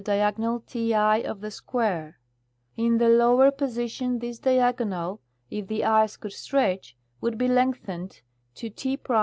diagonal Ti of the square ; in the lower position this diagonal, if the ice could stretch, would be lengthened to T^ ?